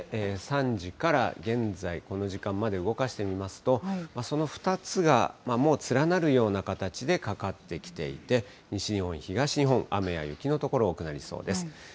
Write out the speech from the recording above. ３時から現在、この時間まで動かしてみますと、その２つがもう連なるような形でかかってきていて、西日本、東日本、雨や雪の所、多くなりそうです。